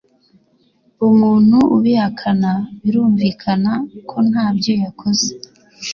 umuntu ubihakana birumvikana ko ntabyo yakoze